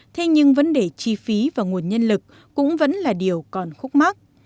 thế nhưng vấn đề chi phí và nguồn nhân lực cũng vẫn là điều còn khúc mắc